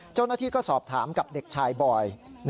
เจ้าหน้าที่ก็สอบถามกับเด็กชายบอย